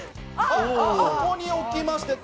ここに置きました。